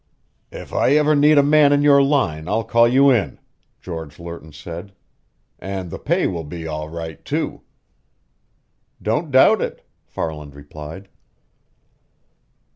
"If I ever need a man in your line, I'll call you in," George Lerton said. "And the pay will be all right, too." "Don't doubt it," Farland replied.